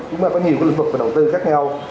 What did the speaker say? chúng ta có nhiều cái lĩnh vực đầu tư khác nhau